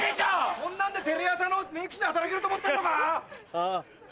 そんなんでテレ朝のメイク室で働けると思ってるのか？